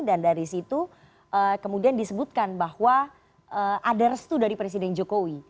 dan dari situ kemudian disebutkan bahwa ada restu dari presiden jokowi